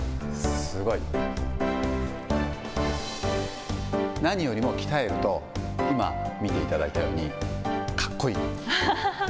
すごい。何よりも鍛えると、今、見ていただいたように、かっこいい。